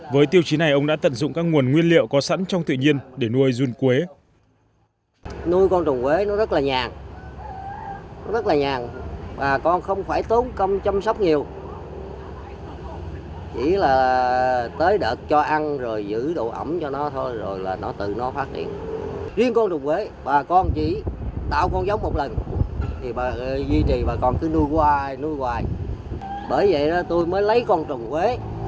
với tiêu chí này ông đã tận dụng các nguồn nguyên liệu có sẵn trong tự nhiên để nuôi run quế